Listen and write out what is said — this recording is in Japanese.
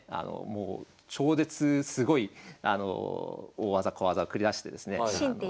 もう超絶すごい大技・小技を繰り出してですね。